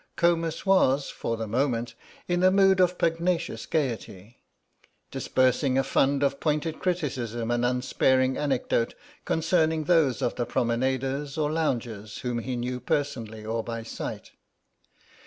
Comus was, for the moment, in a mood of pugnacious gaiety, disbursing a fund of pointed criticism and unsparing anecdote concerning those of the promenaders or loungers whom he knew personally or by sight.